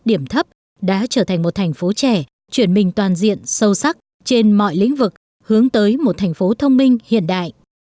điểm thấp đã trở thành một thành phố trẻ chuyển mình toàn diện sâu sắc trên mọi lĩnh vực hướng tới một thành phố thông minh hiện đại